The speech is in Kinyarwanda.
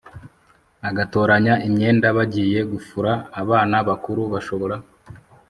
Agatoranya imyenda bagiye gufura abana bakuru bashobora